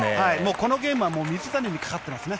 このゲームは水谷にかかってますね。